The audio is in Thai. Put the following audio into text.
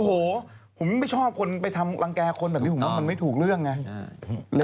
โอ้โหผมไม่ชอบไปทำวางแก่คนมันไม่ถูกเรื่องไหนะ